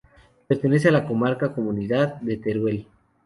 Pertenece a la comarca Comunidad de Teruel.